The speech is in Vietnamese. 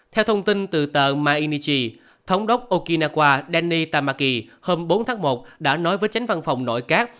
theo thông tin từ tờ mainichi thống đốc okinawa danny tamaki hôm bốn tháng một đã nói với tránh văn phòng nội các